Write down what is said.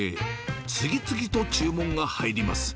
次々と注文が入ります。